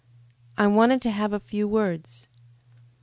"I wanted to have a few words."